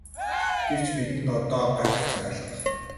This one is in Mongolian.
Гэвч бидэнд одоо гайхах цаг алга.